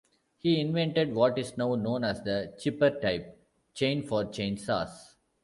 He invented what is now known as the chipper type chain for chain saws.